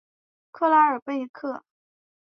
克拉尔贝克。